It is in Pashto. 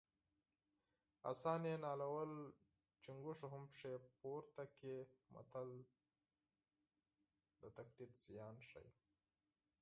اسان یې نالول چونګښو هم پښې پورته کړې متل د تقلید زیان ښيي